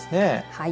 はい。